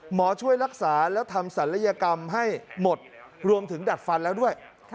ช่วยรักษาแล้วทำศัลยกรรมให้หมดรวมถึงดัดฟันแล้วด้วย